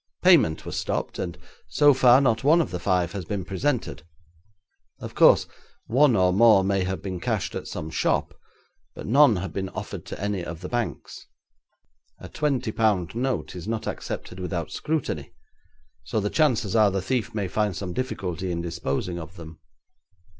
Payment was stopped, and so far not one of the five has been presented. Of course, one or more may have been cashed at some shop, but none have been offered to any of the banks.' 'A twenty pound note is not accepted without scrutiny, so the chances are the thief may find some difficulty in disposing of them.'